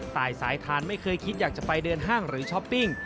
สายทานไม่เคยคิดอยากจะไปเดินห้างหรือช้อปปิ้ง